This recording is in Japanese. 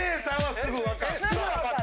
すぐ分かった。